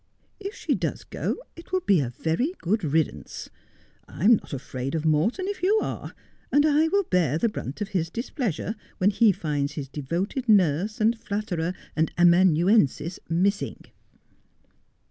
If she does go it will be a very good riddance. I am not afraid of Morton, if you are, and 1 will bear the brunt of his displeasure when lie finds his devoted nurse, and flatterer, and amanuensis missing.'